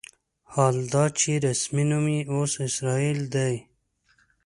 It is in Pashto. حال دا چې رسمي نوم یې اوس اسرائیل دی.